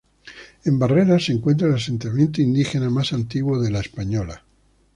En Barreras se encuentra el asentamiento indígena más antiguo de La Española.